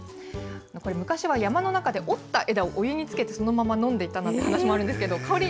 これは昔は山の中で折った枝をお湯につけて、そのまま飲んでいたなんて話もあるんですけど、香り、